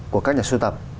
của các nhà sưu tập